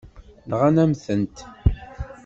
Nɣan-am-tent.